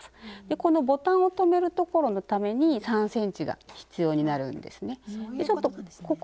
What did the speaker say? このボタンを留めるところのために３ｃｍが必要になるんですね。